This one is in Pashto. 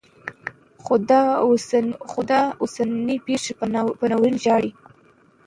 خو دا اوسنۍيې بيخي په ناورين ژاړي.